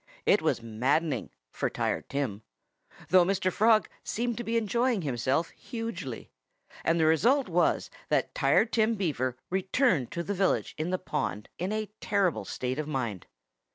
It was maddening for Tired Tim though Mr. Frog seemed to be enjoying himself hugely. And the result was that Tired Tim Beaver returned to the village in the pond in a terrible state of mind.